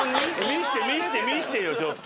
見して見して見してよちょっと。